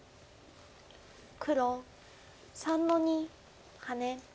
黒３の二ハネ。